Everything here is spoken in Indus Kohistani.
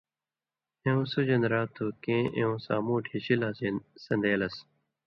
اېوں سو ژن٘دیۡرا تھُو کېں اېوں سامُوٹ ہیشی لا سن٘دېلس؛